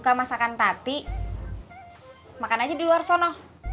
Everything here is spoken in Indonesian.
suka masakan tati makan aja di luar sono